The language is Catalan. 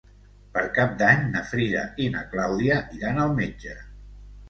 Per Cap d'Any na Frida i na Clàudia iran al metge.